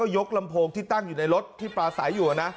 ยกลำโพงที่ตั้งอยู่ในรถที่ปลาใสอยู่นะ